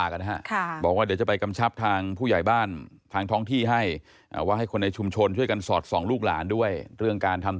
ก็ได้แจ้งไปส่วนหนึ่งแล้วนะครับ